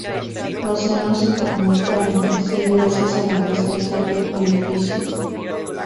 Los senos se comunican entre sí gracias a la presencia de orificios.